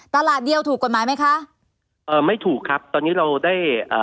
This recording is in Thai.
ตลาดเดียวถูกกฎหมายไหมคะเอ่อไม่ถูกครับตอนนี้เราได้อ่า